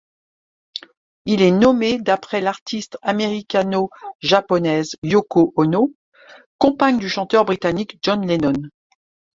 Il est nommé d'après l'artiste américano-japonaise Yoko Ono, compagne du chanteur britannique John Lennon.